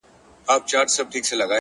موږه كرلي دي اشنا دشاعر پښو ته زړونه؛